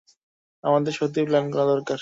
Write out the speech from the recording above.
আমাদের সত্যিই প্ল্যান করা দরকার।